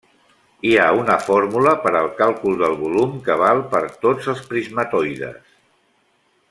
Hi ha una fórmula per al càlcul del volum que val per tots els prismatoides.